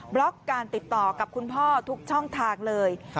ล็อกการติดต่อกับคุณพ่อทุกช่องทางเลย